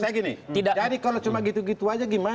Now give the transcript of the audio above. jadi kalau cuma gitu gitu aja gimana